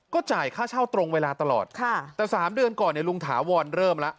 ก็จ่ายค่าเช่าตรงเวลาตลอดค่ะแต่สามเดือนก่อนเนี่ยลุงถาวรเริ่มแล้ว